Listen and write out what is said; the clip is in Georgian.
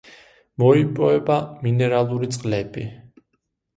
მოიპოვება მინერალური წყლები.